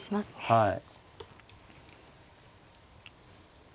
はい。